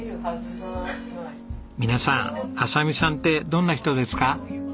皆さん亜沙美さんってどんな人ですか？